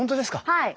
はい。